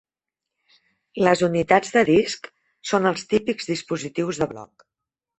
Les unitats de disc són els típics dispositius de bloc.